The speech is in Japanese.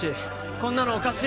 こんなのおかしい